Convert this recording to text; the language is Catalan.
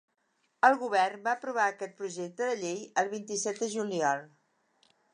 El govern va aprovar aquest projecte de llei el vint-i-set de juliol.